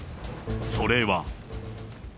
それは。